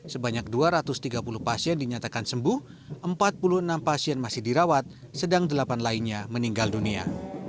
sebanyak dua ratus tiga puluh pasien dinyatakan sembuh empat puluh enam pasien masih dirawat sedang delapan lainnya meninggal dunia